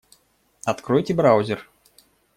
Откройте браузер.